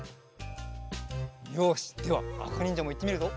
よしではあかにんじゃもいってみるぞ。